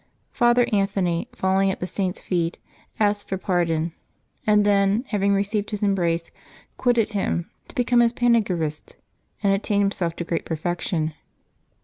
Father Anthony, falling at the Saint's feet, asked for pardon, and then, having received his embrace, quitted him, to become his paneg5Tist and attain himself to great perfection.